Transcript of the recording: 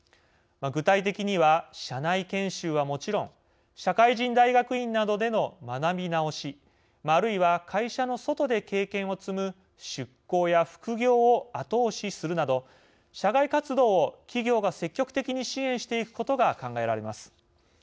具体的には、社内研修はもちろん社会人大学院などでの学び直しあるいは会社の外で経験を積む出向や副業を後押しするなど社外活動を企業が積極的に支援していくことが考えられます。